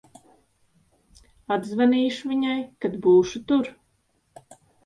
Atzvanīšu viņai, kad būšu tur.